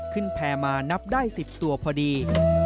ขึ้นแผลมานับได้๑๐ตัวพอดี